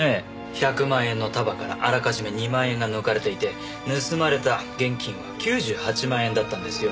１００万円の束からあらかじめ２万円が抜かれていて盗まれた現金は９８万円だったんですよ。